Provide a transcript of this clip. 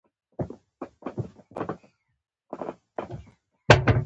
لارډ سالیزبوري پارلمان ته اطمینان ورکړ.